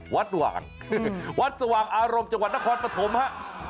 หว่างวัดสว่างอารมณ์จังหวัดนครปฐมฮะ